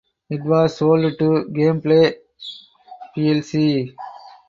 It was sold to Gameplay plc.